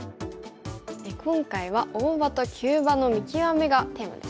今回は大場と急場の見極めがテーマですね。